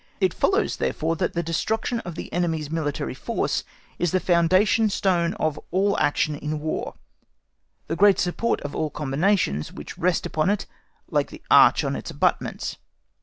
It follows, therefore, that the destruction of the enemy's military force is the foundation stone of all action in War, the great support of all combinations, which rest upon it like the arch on its abutments.